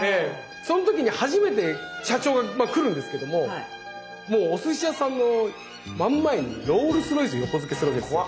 その時に初めて社長が来るんですけどももうおすし屋さんの真ん前にロールスロイス横付けするわけですよ。